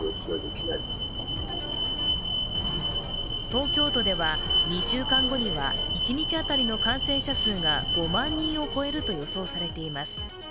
東京都では２週間後には一日当たりの感染者数が５万人を超えると予想されています